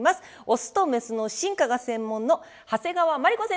オスとメスの進化が専門の長谷川眞理子先生です。